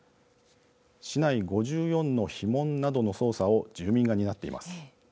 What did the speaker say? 市内５４の樋門などの操作を住民が担っています。